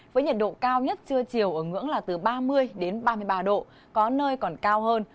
với nhiệt độ cao nhất trưa chiều ở ngưỡng là từ ba mươi ba mươi ba độ có nơi còn cao hơn